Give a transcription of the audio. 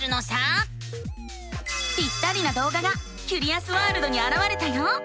ぴったりなどうががキュリアスワールドにあらわれたよ。